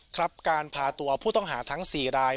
ครับการพาตัวผู้ต้องหาทั้ง๔ราย